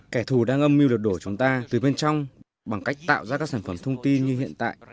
kẻ thù đang âm mưu lật đổ chúng ta từ bên trong bằng cách tạo ra các sản phẩm thông tin như hiện tại